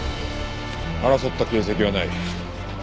争った形跡はない。